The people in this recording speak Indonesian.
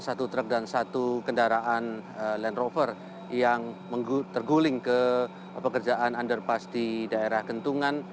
satu truk dan satu kendaraan land rover yang terguling ke pekerjaan underpass di daerah kentungan